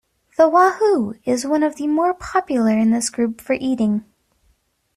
The wahoo is one of the more popular in this group for eating.